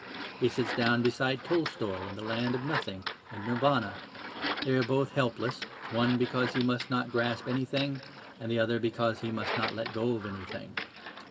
He sits down beside Tolstoy in the land of nothing and Nirvana. They are both helpless one because he must not grasp anything, and the other because he must not let go of anything.